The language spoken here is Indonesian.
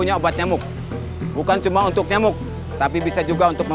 tepatnya dari orang yang pernah saya bantu